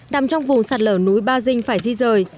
nằm trong vùng sạt lở núi ba dinh phải di rời